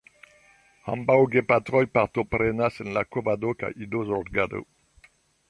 Ambaŭ gepatroj partoprenas en la kovado kaj idozorgado.